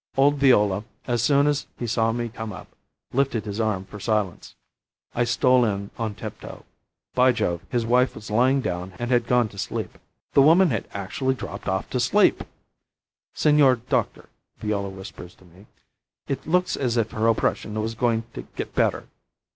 Old Viola, as soon as he saw me come up, lifted his arm for silence. I stole in on tiptoe. By Jove, his wife was lying down and had gone to sleep. The woman had actually dropped off to sleep! 'Senor Doctor,' Viola whispers to me, 'it looks as if her oppression was going to get better.